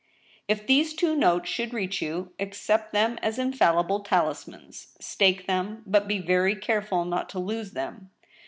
If these two notes should reach you, accept them as infallible talismans : stake them, but be very careful not to lose them.